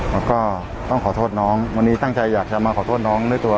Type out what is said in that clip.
แล้วก็ต้องขอโทษน้องวันนี้ตั้งใจอยากจะมาขอโทษน้องด้วยตัว